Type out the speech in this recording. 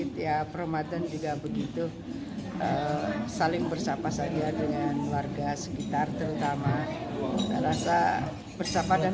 tiap perumatan juga begitu saling bersama saja dengan warga sekitar terutama rasa bersama dan